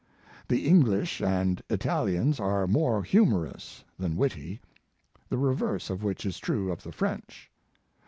The Eng lish and Italians are more humorous than witty, the reverse of which is true of the French.